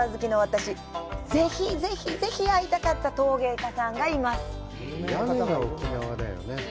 ぜひぜひぜひ会いたかった陶芸家の方がいます。